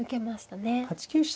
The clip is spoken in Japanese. ８九飛車